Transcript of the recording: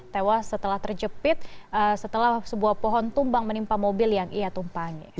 tewas setelah terjepit setelah sebuah pohon tumbang menimpa mobil yang ia tumpangi